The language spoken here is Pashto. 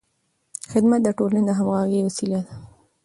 خدمت د ټولنې د همغږۍ وسیله ده.